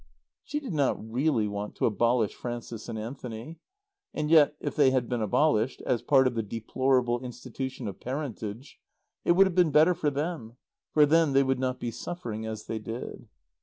She did not really want to abolish Frances and Anthony. And yet, if they had been abolished, as part of the deplorable institution of parentage, it would have been better for them; for then they would not be suffering as they did.